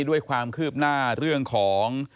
ด้วยความคืบหน้าเรื่องของ